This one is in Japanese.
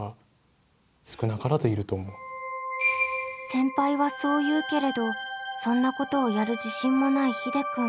先輩はそう言うけれどそんなことをやる自信もないひでくん。